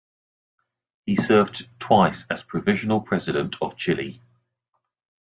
He served twice as provisional president of Chile.